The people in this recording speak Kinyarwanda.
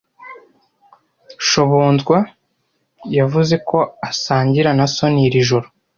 Shobonzwa yavuze ko asangira na Soniya iri joro.